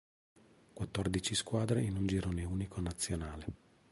Quattordici squadre in un girone unico nazionale.